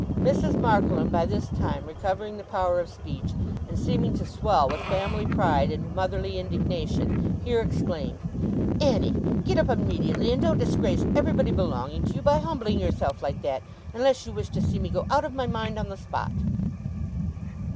Mrs. Markleham, by this time recovering the power of speech, and seeming to swell with family pride and motherly indignation, here exclaimed, 'Annie, get up immediately, and don't disgrace everybody belonging to you by humbling yourself like that, unless you wish to see me go out of my mind on the spot!